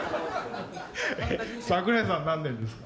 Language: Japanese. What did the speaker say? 桜井さん何年ですか？